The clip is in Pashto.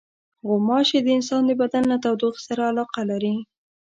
غوماشې د انسان د بدن له تودوخې سره علاقه لري.